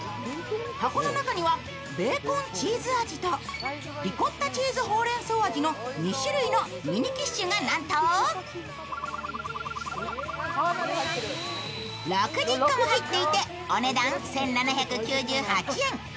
箱の中にはベーコンチーズ味とリコッタチーズ・ほうれん草味の２種類のミニキッシュが、なんと６０個も入っていてお値段１７９８円。